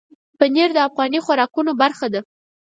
پنېر د افغاني خوراکونو برخه ده.